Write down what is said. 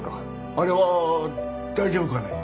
あれは大丈夫かね？